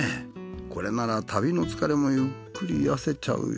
これなら旅の疲れもゆっくり癒やせちゃうよ。